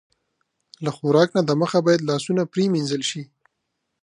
له خوراک نه د مخه باید لاسونه پرېمنځل شي.